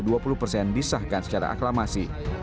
dan disahkan secara aklamasi